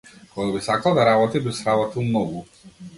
Кога би сакал да работи би сработил многу.